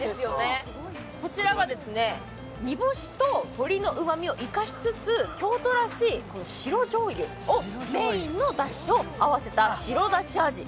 こちらは煮干しと鶏のうまみを生かしつつ京都らしい白じょうゆをメインのだしと合わせた白じょうゆ味。